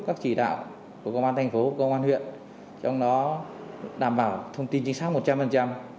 các chỉ đạo của công an thành phố công an huyện trong đó đảm bảo thông tin chính xác một trăm linh